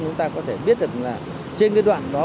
chúng ta có thể biết được là trên cái đoạn đó